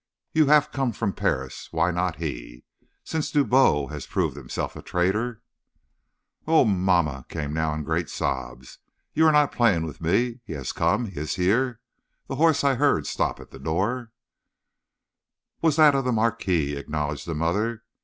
You have come from Paris why not he? Since Dubois has proved himself a traitor " "Oh, mamma!" came now in great sobs, "you are not playing with me. He has come; he is here; the horse I heard stop at the door " "Was that of the marquis," acknowledged the mother.